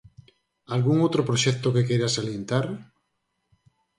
Algún outro proxecto que queiras salientar?